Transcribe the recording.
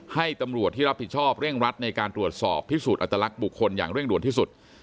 ให้ตำรวจที่รับผิดชอบเร่งรัดในการตรวจสอบพิสูจนอัตลักษณ์บุคคลอย่างเร่งด่วนที่สุด